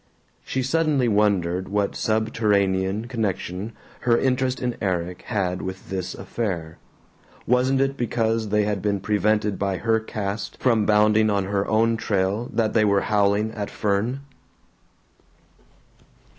She suddenly wondered what subterranean connection her interest in Erik had with this affair. Wasn't it because they had been prevented by her caste from bounding on her own trail that they were howling at Fern?